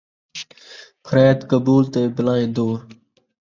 خریت قبول تے بلائیں دور